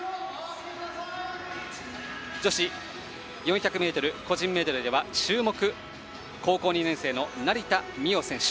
女子４００ｍ個人メドレーでは注目、高校２年生の成田実生選手。